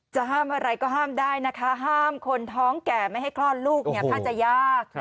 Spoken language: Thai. จะห้ามอะไรก็ห้ามได้นะคะห้ามคนท้องแก่ไม่ให้คลอดลูกเนี่ยถ้าจะยาก